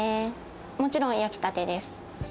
もちろん焼きたてです。